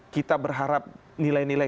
kita berharap nilai nilai